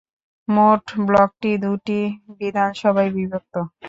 মোট ব্লকটি দুটি বিধানসভায় বিভক্ত।